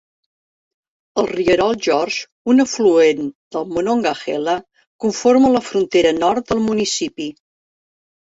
El rierol Georges, un afluent del Monongahela, conforma la frontera nord del municipi.